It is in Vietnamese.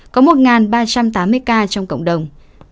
có một ba trăm tám mươi ca trong cộng đồng